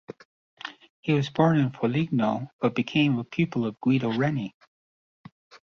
He was born in Foligno, but became a pupil of Guido Reni.